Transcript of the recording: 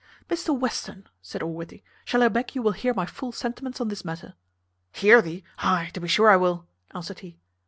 "Mr Western," said Allworthy, "shall I beg you will hear my full sentiments on this matter?" "Hear thee; ay, to be sure I will," answered he.